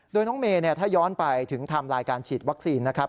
โดยน้องเมย์ถ้าย้อนไปถึงไทม์ไลน์การฉีดวัคซีนนะครับ